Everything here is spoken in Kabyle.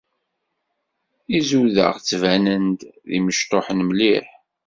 Izudaɣ ttbanen-d d imecṭuḥen mliḥ.